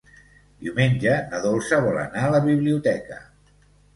Diumenge na Dolça vol anar a la biblioteca.